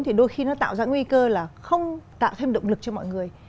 thì đôi khi nó tạo ra nguy cơ là không tạo thêm động lực cho mọi người